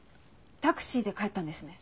タクシーで帰ったんですね？